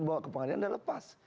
bawa ke pengadilan dan lepas